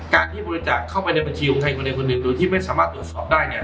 การที่บริจาคเข้าไปในบัญชีของไทยคนหนึ่งโดยที่ไม่สามารถตรวจสอบได้